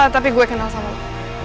tapi gue kenal sama